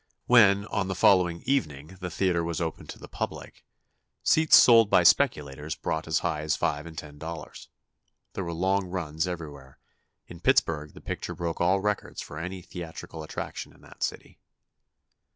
When, on the following evening, the theatre was opened to the public, seats sold by speculators brought as high as five and ten dollars. There were long runs everywhere. In Pittsburgh, the picture broke all records for any theatrical attraction in that city.